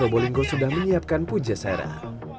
probolinggo sudah menyiapkan puja serah